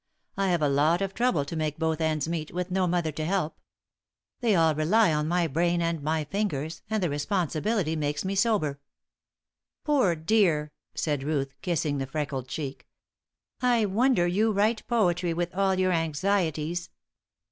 I have a lot of trouble to make both ends meet, with no mother to help. They all rely on my brain and my fingers, and the responsibility makes me sober." "Poor dear," said Ruth, kissing the freckled cheek. "I wonder you write poetry with all your anxieties."